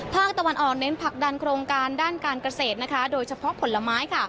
ภาคตะวันออกเน้นผลักดันโครงการด้านการเกษตรนะคะโดยเฉพาะผลไม้